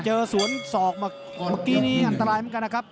เจอสัวนศอกที่มีดีเกินมากกว่านี้อันตรายเหมือนกันครับ